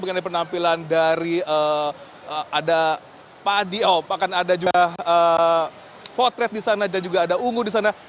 bagaimana penampilan dari ada paddy oh bahkan ada juga potret di sana dan juga ada ungu di sana